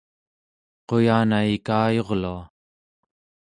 quyana ikayurlua